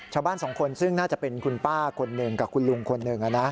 ชาวบ้านสองคนซึ่งน่าจะเป็นคุณป้าคนหนึ่งกับคุณลุงคนหนึ่ง